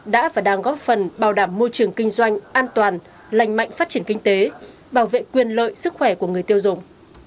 đã và đang góp phần bảo đảm môi trường kinh doanh an toàn lành mạnh phát triển kinh tế bảo vệ quyền lợi sức khỏe của người tiêu dùng